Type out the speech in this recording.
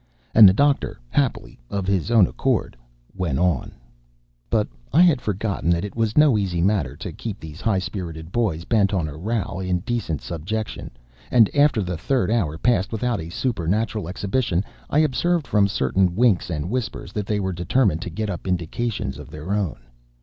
And the Doctor, happily, of his own accord, went on: "But I had forgotten that it was no easy matter to keep these high spirited boys, bent on a row, in decent subjection; and after the third hour passed without a supernatural exhibition, I observed, from certain winks and whispers, that they were determined to get up indications of their own.